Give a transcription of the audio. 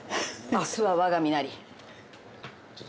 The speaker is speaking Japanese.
「明日は我が身なり」って。